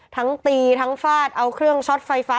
ทั้งตีทั้งฟาดเอาเครื่องช็อตไฟฟ้า